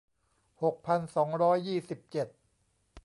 หกพันสองร้อยยี่สิบเจ็ด